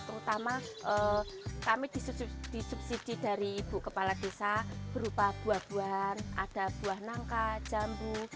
terutama kami disubsidi dari ibu kepala desa berupa buah buahan ada buah nangka jambu